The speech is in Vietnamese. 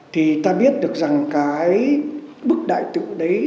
thì ta biết được rằng cái bức đại tự đấy